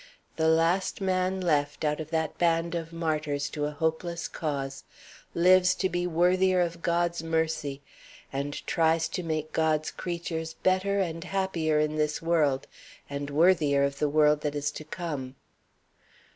The last man left, out of that band of martyrs to a hopeless cause, lives to be worthier of God's mercy and tries to make God's creatures better and happier in this world, and worthier of the world that is to come."